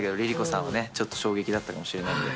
ＬｉＬｉＣｏさんはちょっと衝撃だったかもしれないので。